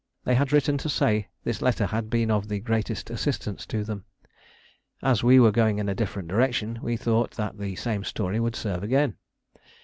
They had written to say this letter had been of the greatest assistance to them. As we were going in a different direction, we thought that the same story would serve again.